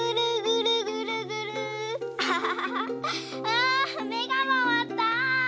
あめがまわった。